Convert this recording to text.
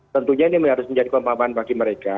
tentunya ini harus menjadi pemahaman bagi mereka